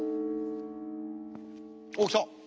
おう来た！